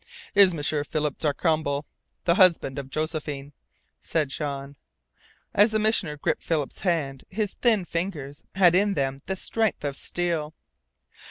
"Is M'sieur Philip Darcambal, the husband of Josephine," said Jean. As the Missioner gripped Philip's hand his thin fingers had in them the strength of steel.